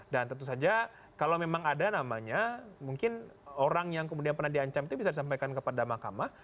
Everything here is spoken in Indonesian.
dan tentu saja kalau memang ada namanya mungkin orang yang kemudian pernah diancam itu bisa disampaikan kepada mahkamah